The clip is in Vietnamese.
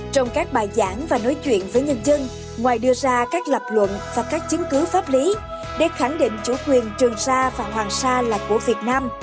trong các bài giảng và nói chuyện với nhân dân ngoài đưa ra các lập luận và các chứng cứ pháp lý để khẳng định chủ quyền trường sa và hoàng sa là của việt nam